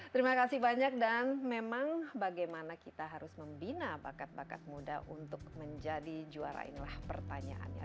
terima kasih banyak dan memang bagaimana kita harus membina bakat bakat muda untuk menjadi juara inilah pertanyaannya